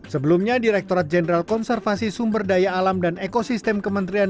sebelumnya direkturat jenderal konservasi sumber daya alam dan ekosistem kementerian